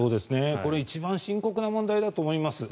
これ一番深刻な問題だと思います。